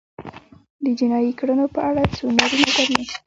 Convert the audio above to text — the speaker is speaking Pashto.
د جنایي کړنو په اړه څو نورې نظریې